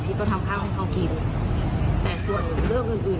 นี่ก็ทำข้าวให้เขากินแต่ส่วนเรื่องอื่นอื่น